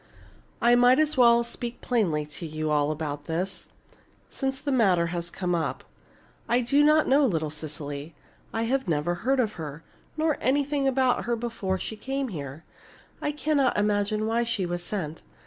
"I might as well speak plainly to you all about this, since the matter has come up. I did not know little Cecily; I had never heard of her, nor anything about her before she came here. I cannot imagine why she was sent.